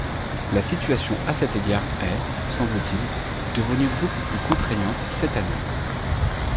La situation à cet égard est, semble-t-il, devenue beaucoup plus contraignante cette année.